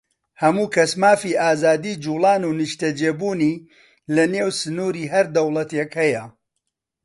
هەموو کەس مافی ئازادیی جووڵان و نیشتەجێبوونی لەنێو سنووری هەر دەوڵەتێک هەیە.